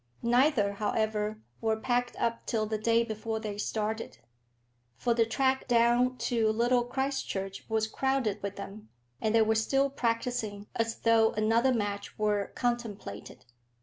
Neither, however, were packed up till the day before they started; for the track down to Little Christchurch was crowded with them, and they were still practising as though another match were contemplated.